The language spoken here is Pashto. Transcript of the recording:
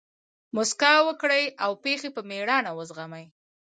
مسکا وکړئ! او پېښي په مېړانه وزغمئ!